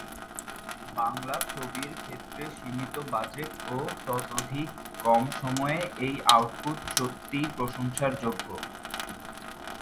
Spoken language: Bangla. বাংলা ছবির ক্ষেত্রে সীমিত বাজেট ও ততোধিক কম সময়ে এই আউটপুট সত্যিই প্রশংসার যোগ্য।